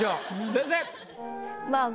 先生！